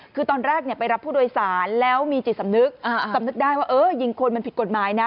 คือตอนแรกไปรับผู้โดยสารแล้วมีจิตสำนึกสำนึกได้ว่าเออยิงคนมันผิดกฎหมายนะ